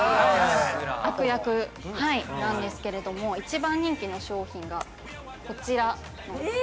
悪役なんですけれども、一番人気の商品がこちら。